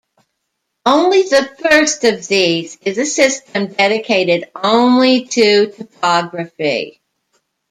Only the first of these is a system dedicated only to topography.